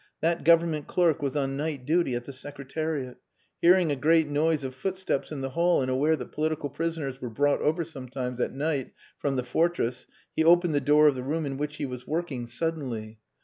That Government clerk was on night duty at the Secretariat. Hearing a great noise of footsteps in the hall and aware that political prisoners were brought over sometimes at night from the fortress, he opened the door of the room in which he was working, suddenly.